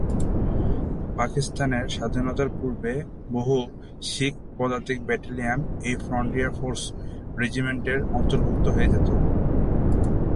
পাকিস্তানের স্বাধীনতার পূর্বে বহু শিখ পদাতিক ব্যাটেলিয়ন এই ফ্রন্টিয়ার ফোর্স রেজিমেন্টের অন্তর্ভুক্ত হয়ে যেত।